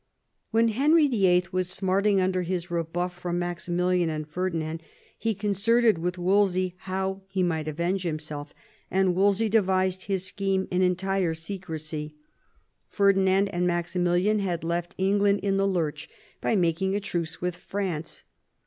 When Henry VIIL was smarting under his rebuff from Maximilian and Ferdinand, he concerted with Wolsey how he might avenge himself, and Wolsey devised his scheme in entire secrecy. Ferdinand and Maximilian had left England in the lurch by making a truce with France.